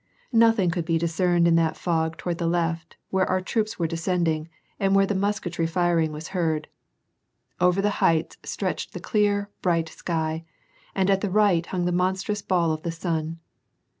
Nothing could be discerned in that fog toward the left, where our troops were descending, and where the musketry firing was heard. Over the heights stretched the clear, bright sky, and at the right hung the monstrous ball of the sun.